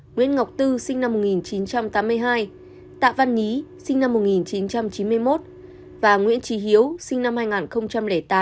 nguyễn ngọc tư sinh năm một nghìn chín trăm tám mươi hai tạ văn nhí sinh năm một nghìn chín trăm chín mươi một và nguyễn trí hiếu sinh năm hai nghìn tám